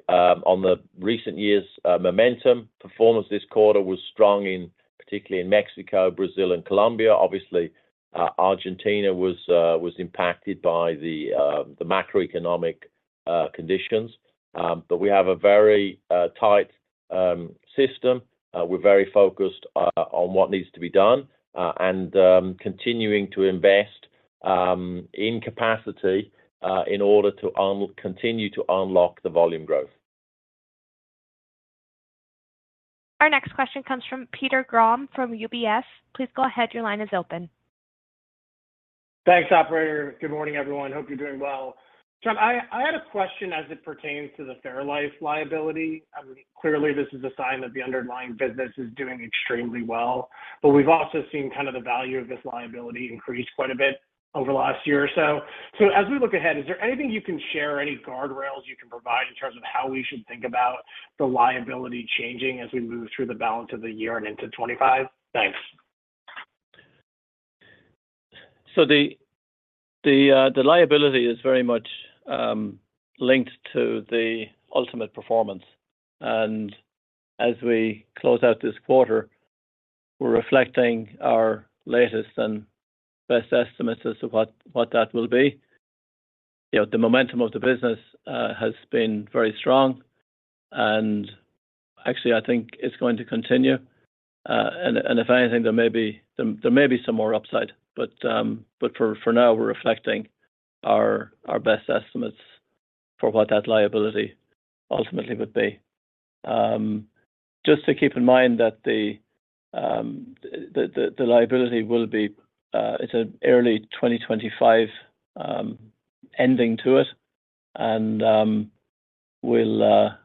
on the recent year's momentum, performance this quarter was strong, particularly in Mexico, Brazil, and Colombia. Obviously, Argentina was impacted by the macroeconomic conditions. But we have a very tight system. We're very focused on what needs to be done and continuing to invest in capacity in order to continue to unlock the volume growth. Our next question comes from Peter Grom from UBS. Please go ahead. Your line is open. Thanks, operator. Good morning, everyone. Hope you're doing well. John, I had a question as it pertains to the Fairlife liability. Clearly, this is a sign that the underlying business is doing extremely well. But we've also seen kind of the value of this liability increase quite a bit over the last year or so. So as we look ahead, is there anything you can share, any guardrails you can provide in terms of how we should think about the liability changing as we move through the balance of the year and into 2025? Thanks. So the liability is very much linked to the ultimate performance. As we close out this quarter, we're reflecting our latest and best estimates as to what that will be. The momentum of the business has been very strong. Actually, I think it's going to continue. And if anything, there may be some more upside. But for now, we're reflecting our best estimates for what that liability ultimately would be. Just to keep in mind that the liability will be it's an early 2025 ending to it. And we'll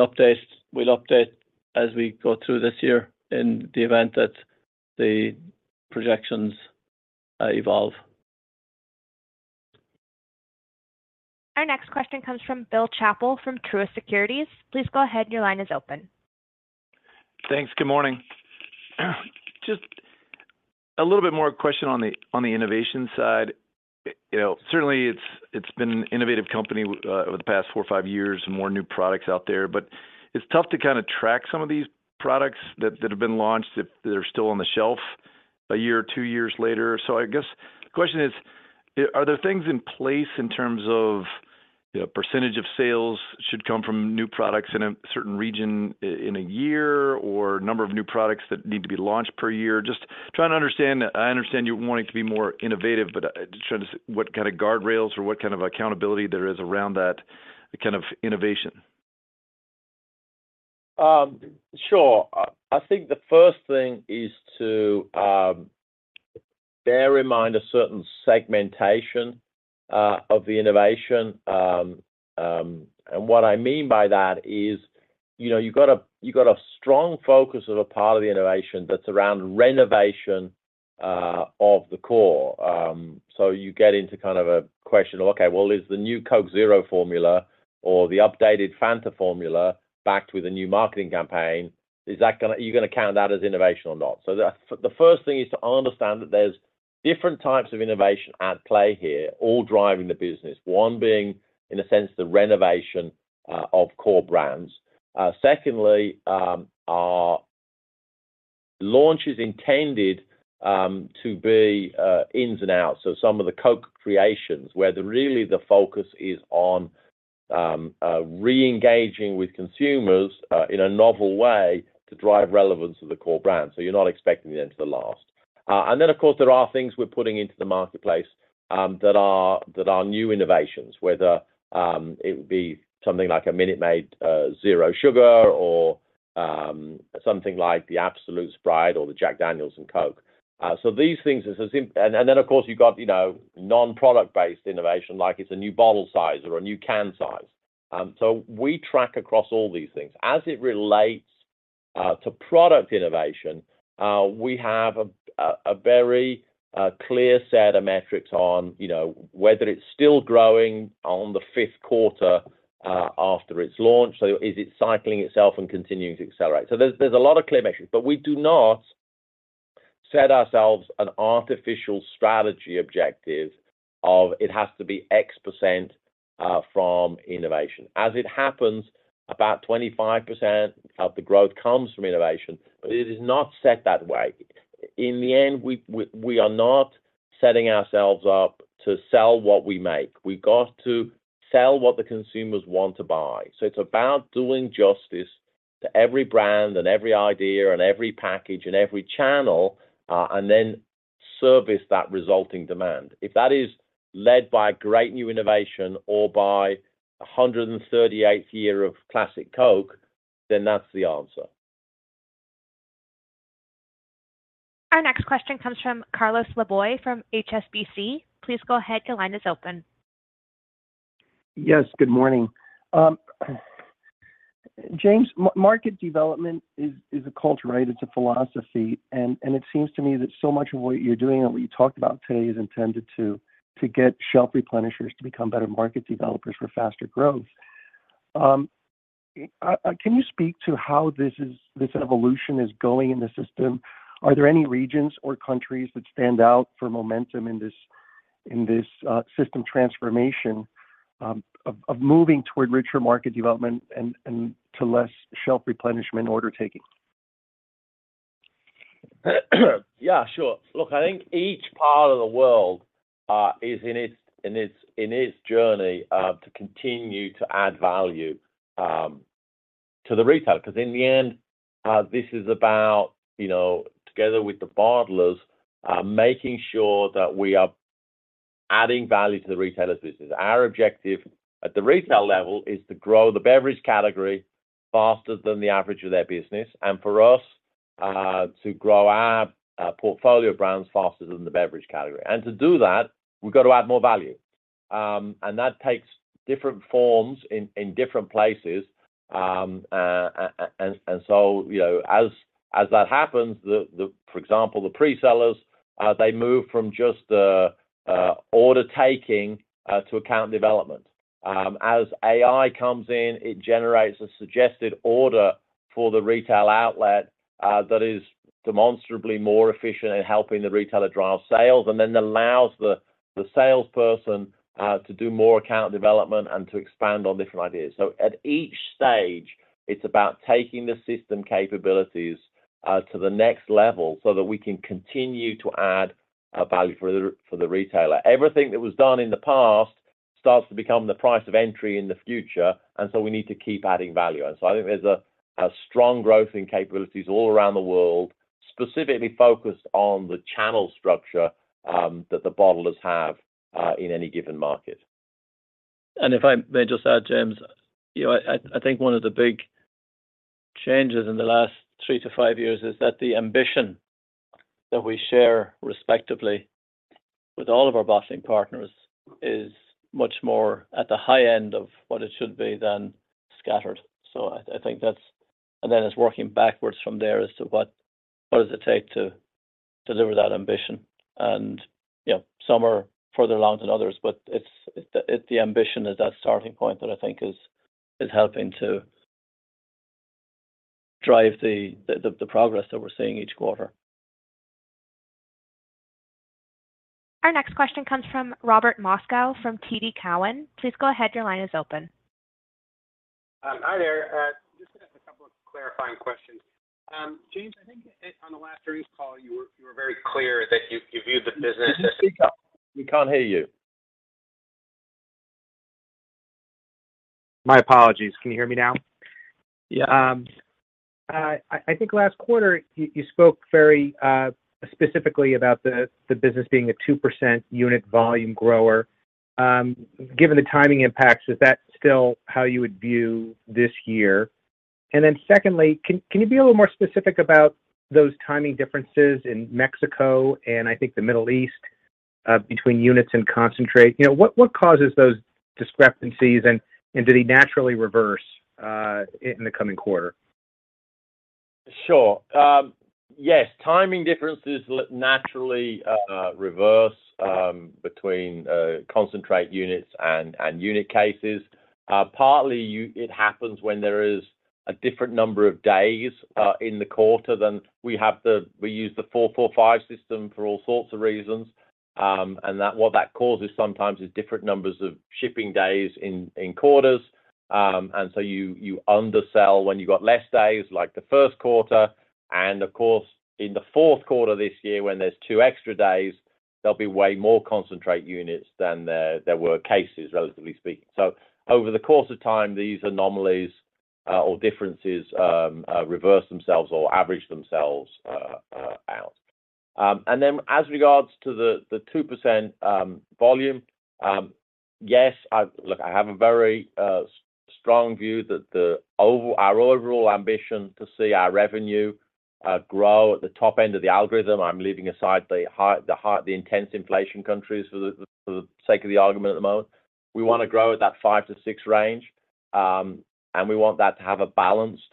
update as we go through this year in the event that the projections evolve. Our next question comes from Bill Chappell from Truist Securities. Please go ahead. Your line is open. Thanks. Good morning. Just a little bit more question on the innovation side. Certainly, it's been an innovative company over the past four or five years, more new products out there. But it's tough to kind of track some of these products that have been launched if they're still on the shelf a year or two years later. So I guess the question is, are there things in place in terms of percentage of sales should come from new products in a certain region in a year or number of new products that need to be launched per year? Just trying to understand you're wanting to be more innovative, but trying to see what kind of guardrails or what kind of accountability there is around that kind of innovation. Sure. I think the first thing is to bear in mind a certain segmentation of the innovation. And what I mean by that is you've got a strong focus of a part of the innovation that's around renovation of the core. So you get into kind of a question of, "Okay. Well, is the new Coke Zero formula or the updated Fanta formula backed with a new marketing campaign? Are you going to count that as innovation or not?" So the first thing is to understand that there's different types of innovation at play here, all driving the business, one being, in a sense, the renovation of core brands. Secondly, are launches intended to be ins and outs of some of the Coke Creations where really the focus is on reengaging with consumers in a novel way to drive relevance of the core brand? So you're not expecting them to last. And then, of course, there are things we're putting into the marketplace that are new innovations, whether it would be something like a Minute Maid Zero Sugar or something like a Sprite or the Jack Daniel's and Coke. So these things are, and then, of course, you've got non-product-based innovation like it's a new bottle size or a new can size. So we track across all these things. As it relates to product innovation, we have a very clear set of metrics on whether it's still growing on the fifth quarter after its launch. So is it cycling itself and continuing to accelerate? So there's a lot of clear metrics. But we do not set ourselves an artificial strategy objective of it has to be X% from innovation. As it happens, about 25% of the growth comes from innovation. It is not set that way. In the end, we are not setting ourselves up to sell what we make. We've got to sell what the consumers want to buy. It's about doing justice to every brand and every idea and every package and every channel and then service that resulting demand. If that is led by a great new innovation or by 138th year of classic Coke, then that's the answer. Our next question comes from Carlos Laboy from HSBC. Please go ahead. Your line is open. Yes. Good morning. James, market development is a culture, right? It's a philosophy. And it seems to me that so much of what you're doing and what you talked about today is intended to get shelf replenishers to become better market developers for faster growth. Can you speak to how this evolution is going in the system? Are there any regions or countries that stand out for momentum in this system transformation of moving toward richer market development and to less shelf replenishment order-taking? Yeah. Sure. Look, I think each part of the world is in its journey to continue to add value to the retail because in the end, this is about, together with the bottlers, making sure that we are adding value to the retailer's business. Our objective at the retail level is to grow the beverage category faster than the average of their business and for us to grow our portfolio brands faster than the beverage category. And to do that, we've got to add more value. And that takes different forms in different places. And so as that happens, for example, the presellers, they move from just order-taking to account development. As AI comes in, it generates a suggested order for the retail outlet that is demonstrably more efficient in helping the retailer drive sales. And then it allows the salesperson to do more account development and to expand on different ideas. So at each stage, it's about taking the system capabilities to the next level so that we can continue to add value for the retailer. Everything that was done in the past starts to become the price of entry in the future. And so we need to keep adding value. And so I think there's a strong growth in capabilities all around the world, specifically focused on the channel structure that the bottlers have in any given market. If I may just add, James, I think one of the big changes in the last 3 to 5 years is that the ambition that we share, respectively, with all of our bottling partners is much more at the high end of what it should be than scattered. I think that's, and then it's working backwards from there as to what does it take to deliver that ambition. Some are further along than others. The ambition is that starting point that I think is helping to drive the progress that we're seeing each quarter. Our next question comes from Robert Moskow from TD Cowen. Please go ahead. Your line is open. Hi there. Just a couple of clarifying questions. James, I think on the last earnings call, you were very clear that you viewed the business as. Speak up. We can't hear you. My apologies. Can you hear me now? Yeah. I think last quarter, you spoke very specifically about the business being a 2% unit volume grower. Given the timing impacts, is that still how you would view this year? And then secondly, can you be a little more specific about those timing differences in Mexico and, I think, the Middle East between units and concentrate? What causes those discrepancies? And did they naturally reverse in the coming quarter? Sure. Yes. Timing differences naturally reverse between concentrate units and unit cases. Partly, it happens when there is a different number of days in the quarter than we have. We use the 4-4-5 system for all sorts of reasons. And what that causes sometimes is different numbers of shipping days in quarters. And so you undersell when you've got less days, like the Q1. And of course, in the Q4 this year, when there's two extra days, there'll be way more concentrate units than there were cases, relatively speaking. So over the course of time, these anomalies or differences reverse themselves or average themselves out. Then as regards to the 2% volume, yes, look, I have a very strong view that our overall ambition to see our revenue grow at the top end of the algorithm, I'm leaving aside the intense inflation countries for the sake of the argument at the moment, we want to grow at that 5 to 6 range. We want that to have a balanced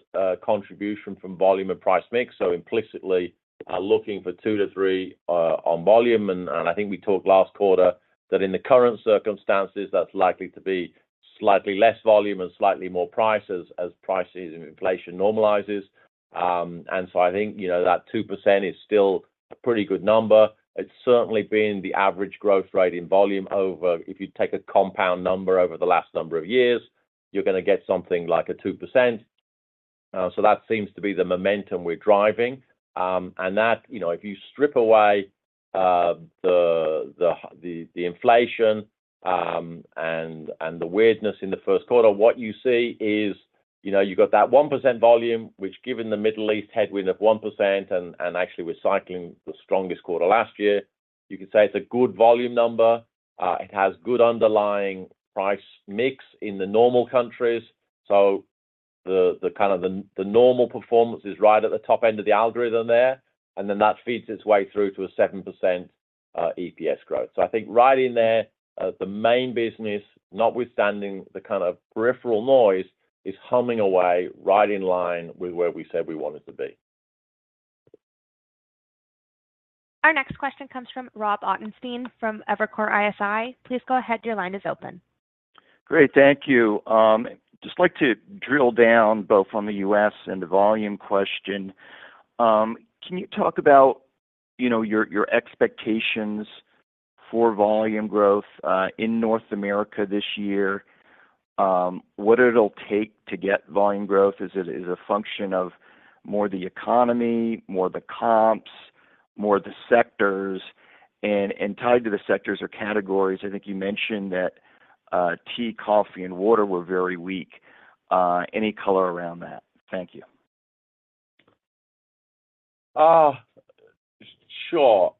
contribution from volume and price mix. So implicitly, looking for 2 to 3 on volume. And I think we talked last quarter that in the current circumstances, that's likely to be slightly less volume and slightly more price as prices and inflation normalizes. And so I think that 2% is still a pretty good number. It's certainly been the average growth rate in volume over if you take a compound number over the last number of years. You're going to get something like a 2%. So that seems to be the momentum we're driving. And if you strip away the inflation and the weirdness in the Q1, what you see is you've got that 1% volume, which given the Middle East headwind of 1% and actually recycling the strongest quarter last year, you could say it's a good volume number. It has good underlying price mix in the normal countries. So kind of the normal performance is right at the top end of the algorithm there. And then that feeds its way through to a 7% EPS growth. I think right in there, the main business notwithstanding the kind of peripheral noise is humming away right in line with where we said we wanted to be. Our next question comes from Rob Ottenstein from Evercore ISI. Please go ahead. Your line is open. Great. Thank you. I'd just like to drill down both on the US and the volume question. Can you talk about your expectations for volume growth in North America this year? What it'll take to get volume growth? Is it a function of more the economy, more the comps, more the sectors? And tied to the sectors or categories, I think you mentioned that tea, coffee, and water were very weak. Any color around that? Thank you. Sure.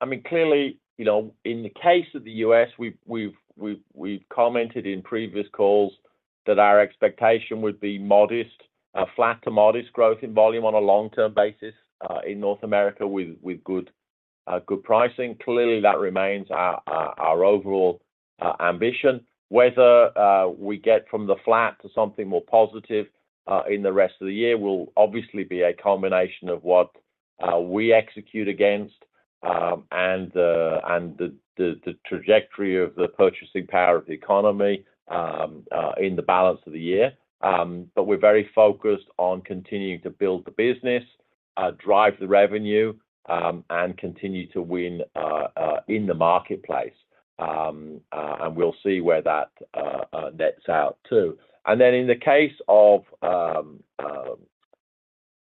I mean, clearly, in the case of the US, we've commented in previous calls that our expectation would be modest, flat to modest growth in volume on a long-term basis in North America with good pricing. Clearly, that remains our overall ambition. Whether we get from the flat to something more positive in the rest of the year will obviously be a combination of what we execute against and the trajectory of the purchasing power of the economy in the balance of the year. But we're very focused on continuing to build the business, drive the revenue, and continue to win in the marketplace. And we'll see where that nets out too. And then in the case of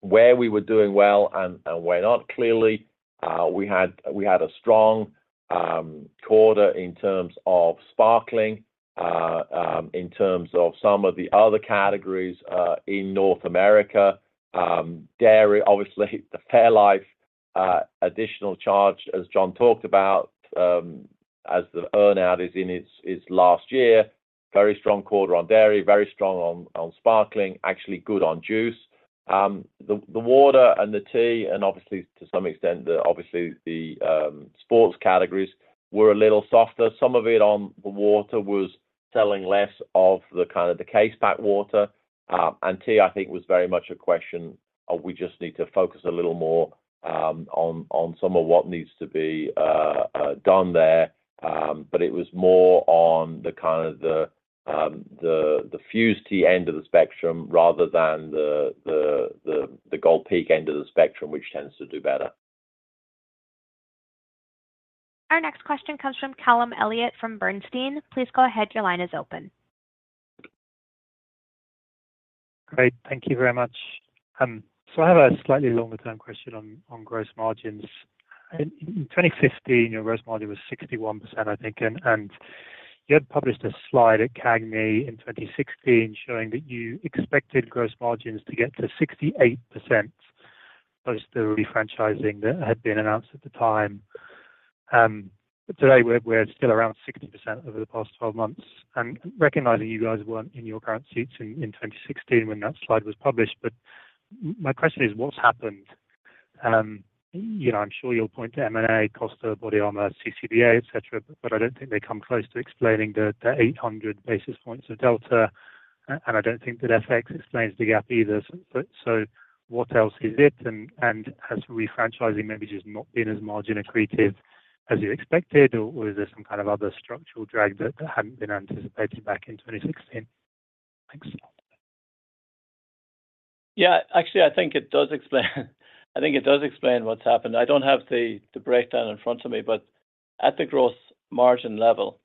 where we were doing well and where not, clearly, we had a strong quarter in terms of sparkling, in terms of some of the other categories in North America, dairy. Obviously, the Fairlife additional charge, as John talked about, as the earnout is in its last year, very strong quarter on dairy, very strong on sparkling, actually good on juice. The water and the tea and obviously, to some extent, obviously, the sports categories were a little softer. Some of it on the water was selling less of the kind of the case-packed water. And tea, I think, was very much a question of we just need to focus a little more on some of what needs to be done there. But it was more on the kind of the Fuze Tea end of the spectrum rather than the Gold Peak end of the spectrum, which tends to do better. Our next question comes from Callum Elliott from Bernstein. Please go ahead. Your line is open. Great. Thank you very much. So I have a slightly longer-term question on gross margins. In 2015, your gross margin was 61%, I think. And you had published a slide at CAGNY in 2016 showing that you expected gross margins to get to 68% post the refranchising that had been announced at the time. But today, we're still around 60% over the past 12 months. And recognizing you guys weren't in your current seats in 2016 when that slide was published, but my question is, what's happened? I'm sure you'll point to M&A, Costa, BODYARMOR, CCBA, etc. But I don't think they come close to explaining the 800 basis points of delta. And I don't think that FX explains the gap either. So what else is it? And has refranchising maybe just not been as margin-accretive as you expected? Or is there some kind of other structural drag that hadn't been anticipated back in 2016? Thanks. Yeah. Actually, I think it does explain. I think it does explain what's happened. I don't have the breakdown in front of me. But at the gross margin level,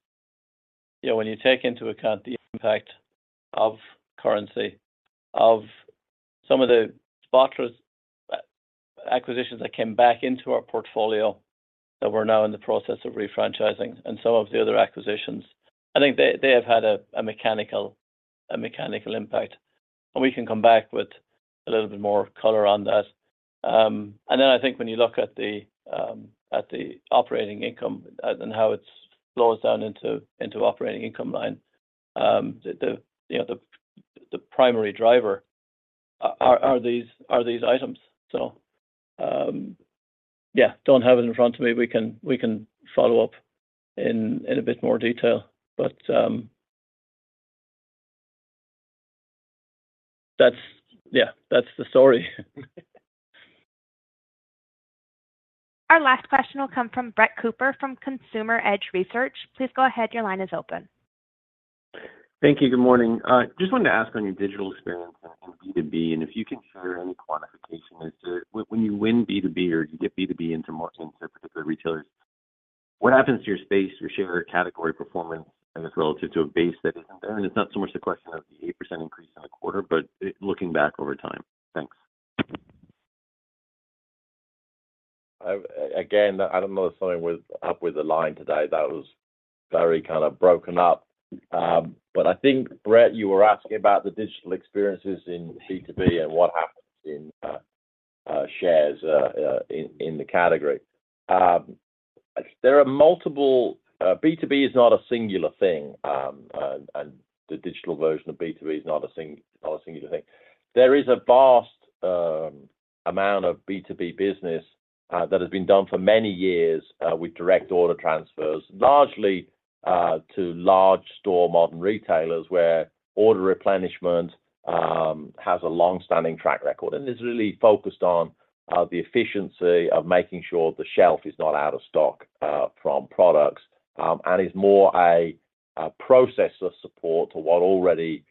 when you take into account the impact of currency, of some of the bottlers' acquisitions that came back into our portfolio that we're now in the process of refranchising, and some of the other acquisitions, I think they have had a mechanical impact. And we can come back with a little bit more color on that. And then I think when you look at the operating income and how it flows down into operating income line, the primary driver are these items. So yeah, don't have it in front of me. We can follow up in a bit more detail. But yeah, that's the story. Our last question will come from Brett Cooper from Consumer Edge Research. Please go ahead. Your line is open. Thank you. Good morning. Just wanted to ask on your digital experience in B2B. If you can share any quantification as to when you win B2B or you get B2B into particular retailers, what happens to your space, your share category performance, I guess, relative to a base that isn't there? It's not so much the question of the 8% increase in a quarter, but looking back over time. Thanks. Again, I don't know if something was up with the line today. That was very kind of broken up. But I think, Brett, you were asking about the digital experiences in B2B and what happens in shares in the category. B2B is not a singular thing. And the digital version of B2B is not a singular thing. There is a vast amount of B2B business that has been done for many years with direct order transfers, largely to large store modern retailers where order replenishment has a longstanding track record and is really focused on the efficiency of making sure the shelf is not out of stock from products and is more a process of support to what already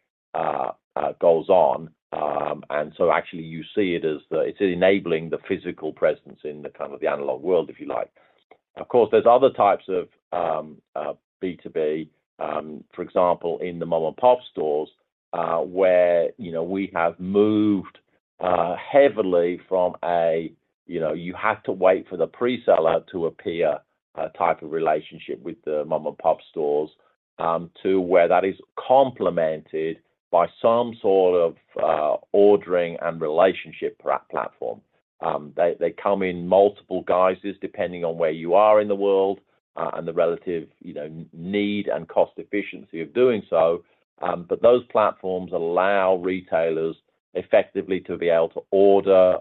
goes on. And so actually, you see it as it's enabling the physical presence in kind of the analog world, if you like. Of course, there's other types of B2B, for example, in the mom-and-pop stores where we have moved heavily from a "you have to wait for the preseller to appear" type of relationship with the mom-and-pop stores to where that is complemented by some sort of ordering and relationship platform. They come in multiple guises depending on where you are in the world and the relative need and cost efficiency of doing so. But those platforms allow retailers effectively to be able to order,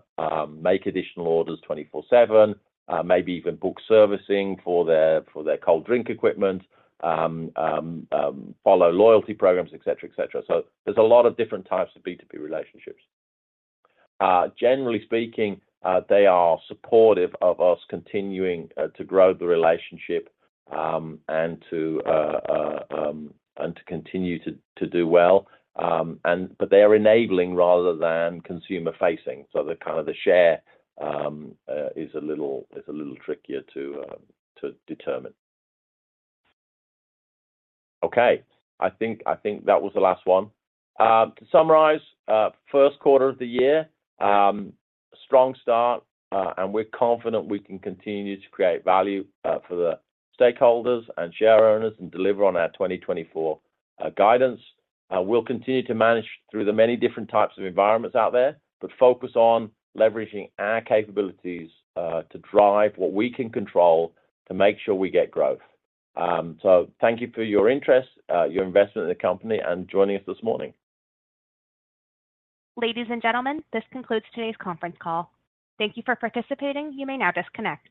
make additional orders 24/7, maybe even book servicing for their cold drink equipment, follow loyalty programs, etc., etc. So there's a lot of different types of B2B relationships. Generally speaking, they are supportive of us continuing to grow the relationship and to continue to do well. But they are enabling rather than consumer-facing. So kind of the share is a little trickier to determine. Okay. I think that was the last one. To summarize, Q1 of the year, strong start. We're confident we can continue to create value for the stakeholders and shareholders and deliver on our 2024 guidance. We'll continue to manage through the many different types of environments out there but focus on leveraging our capabilities to drive what we can control to make sure we get growth. Thank you for your interest, your investment in the company, and joining us this morning. Ladies and gentlemen, this concludes today's conference call. Thank you for participating. You may now disconnect.